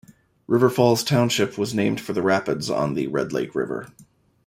River Falls Township was named for the rapids on the Red Lake River.